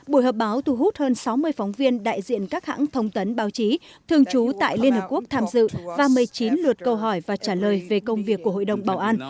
buổi họp báo thu hút hơn sáu mươi phóng viên đại diện các hãng thông tấn báo chí thường trú tại liên hợp quốc tham dự và một mươi chín lượt câu hỏi và trả lời về công việc của hội đồng bảo an